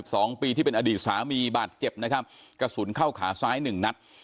สองปีที่เป็นอดีตสามีบาดเจ็บนะครับกระสุนเข้าขาซ้ายหนึ่งนัด